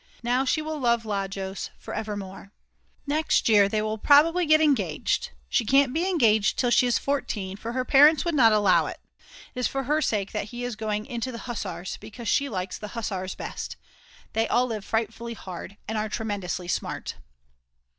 Now she will love Lajos for evermore. Next year they will probably get engaged, she can't be engaged till she is 14 for her parents would not allow it. It is for her sake that he is going into the Hussars because she likes the Hussars best. They all live frightfully hard, and are tremendously smart.